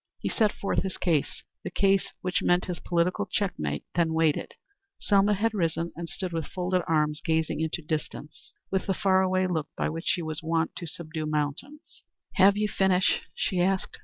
He set forth his case the case which meant his political checkmate, then waited. Selma had risen and stood with folded arms gazing into distance with the far away look by which she was wont to subdue mountains. "Have you finished?" she asked.